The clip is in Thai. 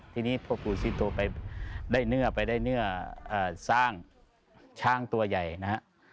ทีนี้พ่อปู่ซิโตไปได้เนื้อไปได้เนื้อสร้างช้างตัวใหญ่นะฮะ